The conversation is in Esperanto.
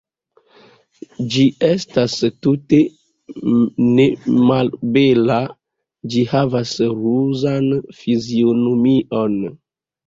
Ĝi estas tute nemalbela, ĝi havas ruzan fizionomion.